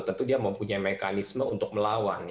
tentu dia mempunyai mekanisme untuk melawan